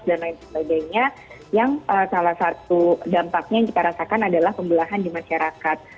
dan lain sebagainya yang salah satu dampaknya yang kita rasakan adalah pembelahan di masyarakat